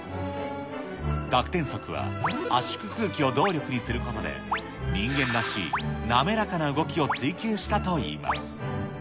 學天則は圧縮空気を動力にすることで、人間らしい滑らかな動きを追求したといいます。